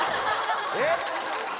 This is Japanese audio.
えっ？